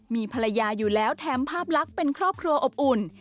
มีภรรยาอยู่แล้วแถมภาพลักษณ์เป็นครอบครัวอบอุ่น